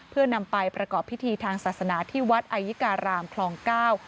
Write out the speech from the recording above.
เพื่อนำไปประกอบพิธีทางศาสนาที่วัดไอยิการามคลองเก้า